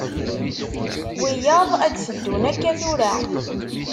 Wiyaḍ ad d-teddun akka tura.